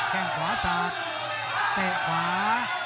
เก่งกรสัตว์เตะขวา